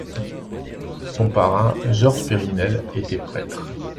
Son parrain Georges Périnelle était prêtre.